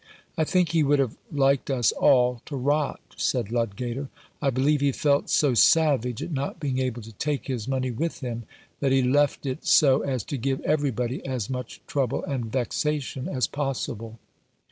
'I think he would have liked us all to rot, ' said Ludgater. ' I believe he felt so savage at not being able to take his money with him that he left it so as to give everybody as much trouble and vexation as possible.